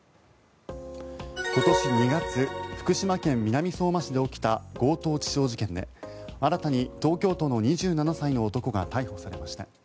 今年２月福島県南相馬市で起きた強盗致傷事件で新たに東京都の２７歳の男が逮捕されました。